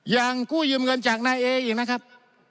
ยังกู้ยืมเงินจากนายเออีกนะครับ